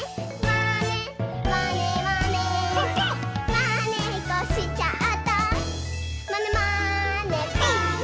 「まねっこしちゃったまねまねぽん！」